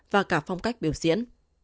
và cả phong cách biểu diễn